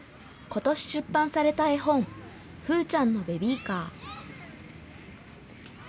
ことし出版された絵本、ふうちゃんのベビーカー。